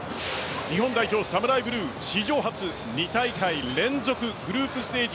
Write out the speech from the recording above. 日本代表ＳＡＭＵＲＡＩＢＬＵＥ史上初２大会連続グループステージ